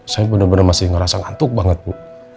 saya benar benar masih ngerasa ngantuk banget bu